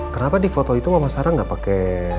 kenapa di foto itu mama sarah gak pake